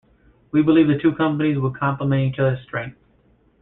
We believe the two companies would complement each other's strengths.